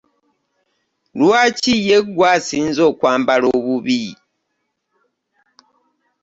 Lwaki ye gwe asinze okwambala obubi?